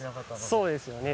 そうですよね。